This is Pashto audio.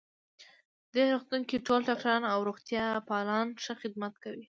دې روغتون کې ټول ډاکټران او روغتیا پالان ښه خدمت کوی